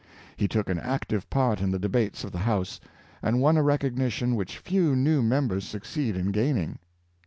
He took an active part in the debates of the House, and won a recognition which few new members succeed in gaining.